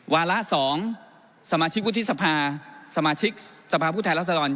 วาระ๒สมาชิกวุฒิสภาสมาชิกสภาพุทธรรษรรณ